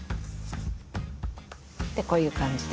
でこういう感じで。